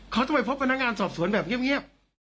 เขาจะไปพบกับนักงานสอบสนแบบเงียบ